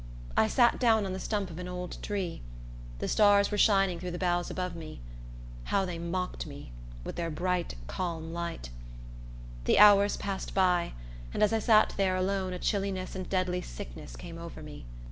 I sat down on the stump of an old tree. The stars were shining through the boughs above me. How they mocked me, with their bright, calm light! The hours passed by, and as I sat there alone a chilliness and deadly sickness came over me.